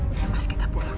udah mas kita pulang